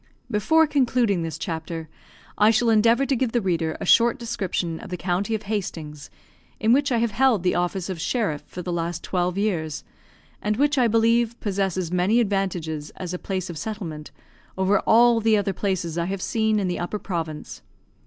Before concluding this chapter, I shall endeavour to give the reader a short description of the county of Hastings, in which I have held the office of sheriff for the last twelve years, and which, I believe, possesses many advantages as a place of settlement, over all the other places I have seen in the Upper Province.